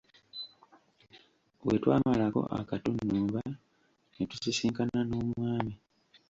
Bwe twamalako akatunnumba ne tusisinkana n'Omwami.